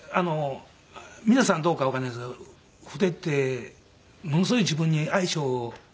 皆さんどうかわからないですけど筆ってものすごい自分に相性ありますよね。